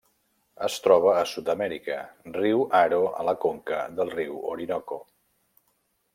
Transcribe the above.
Es troba a Sud-amèrica: riu Aro a la conca del riu Orinoco.